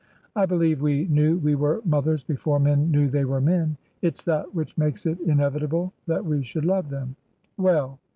I believe we knew we were mothers before men knew they were men. It's that which makes it inevitable that we should love them. Well!